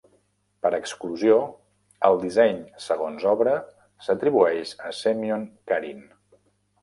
Per exclusió, el disseny segons obra s'atribueix a Semyon Karin.